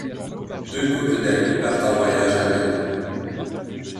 Deux couples d'amis partent en voyage à Reno.